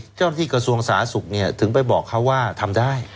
เจ้าหน้าที่กระทรวงสาธารณสุขถึงไปบอกเขาว่าทำได้